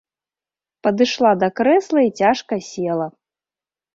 Падышла да крэсла і цяжка села.